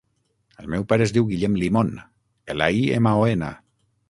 El meu pare es diu Guillem Limon: ela, i, ema, o, ena.